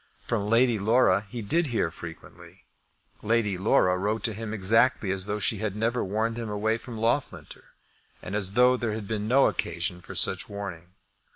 From Lady Laura he did hear frequently. Lady Laura wrote to him exactly as though she had never warned him away from Loughlinter, and as though there had been no occasion for such warning.